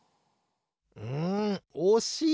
うんおしい！